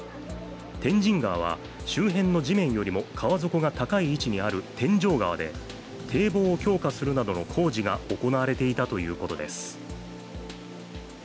天神川は周辺の地面よりも川底が高い位置にある天井川で堤防を強化するなどの工事が行われていたということです。